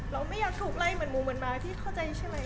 ไม่อยากถูกไล่เหมือนหมูเหมือนหมาที่เข้าใจใช่ไหม